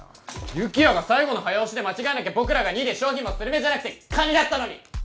有起哉が最後の早押しで間違えなきゃ僕らが２位で賞品もスルメじゃなくてカニだったのに！